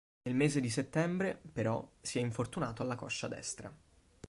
Nel mese di settembre, però, si è infortunato alla coscia destra.